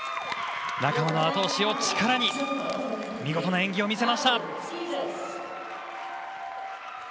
仲間のあと押しを力に見事な演技を見せました。